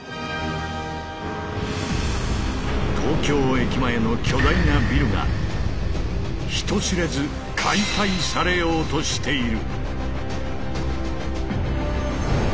東京駅前の巨大なビルが人知れず解体されようとしている！